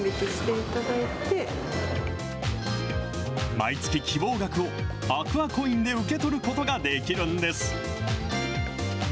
毎月、希望額をアクアコインで受け取ることができるんです。